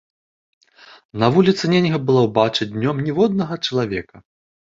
На вуліцы нельга было ўбачыць днём ніводнага чалавека.